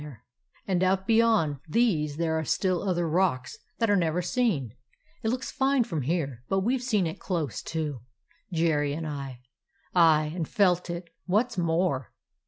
218 A CALIFORNIA SEA DOG And out beyond these there are still other rocks that are never seen. It looks fine from here,, but we Ve seen it close to, Jerry and I ; aye, and felt it, what 's more